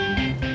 terima kasih bu